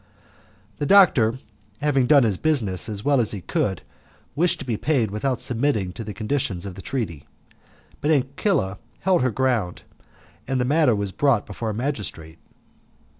The doctor having done his business as well as he could wished to be paid without submitting to the conditions of the treaty, but Ancilla held her ground, and the matter was brought before a magistrate.